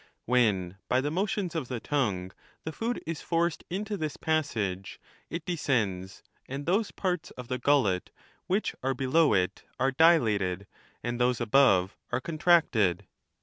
When, by the motions of the tongue, the food is forced into this passage, it descends, and those parts of the gullet which are below it are dilated, and those above are con tracted.